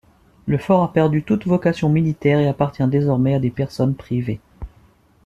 Le fort a perdu toute vocation militaire et appartient désormais à des personnes privées.